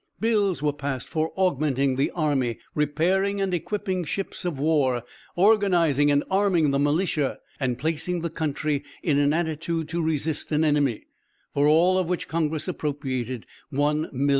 Bills were passed for augmenting the army, repairing and equipping ships of war, organizing and arming the militia, and placing the country in an attitude to resist an enemy; for all which congress appropriated $1,000,000.